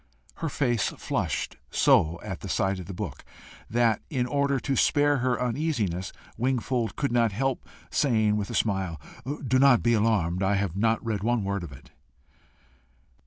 Her face flushed so at sight of the book, that, in order to spare her uneasiness, Wingfold could not help saying with a smile, "Do not be alarmed: I have not read one word of it."